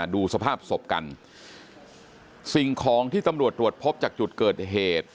ดูสภาพศพกันสิ่งของที่ตำรวจตรวจพบจากจุดเกิดเหตุ